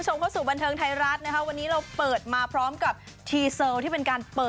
ฉันมีวันนี้เพราะเธอ